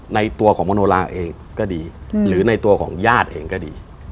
ในตัวของมโนลาเองก็ดีหรือในตัวของญาติเองก็ดี